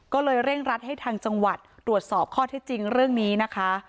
ก็เลยเร่งรัดให้ทางจังหวัดตรวจสอบข้อที่จริงเรื่องนี้นะคะ